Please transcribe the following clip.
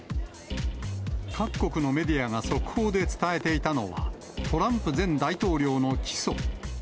各国のメディアが速報で伝えていたのは、トランプ前大統領の起訴。